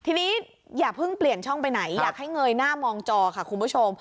ทีนี้อย่าเพิ่งเปลี่ยนช่องไปไหนอยากให้เงยหน้ามองจอค่ะคุณผู้ชม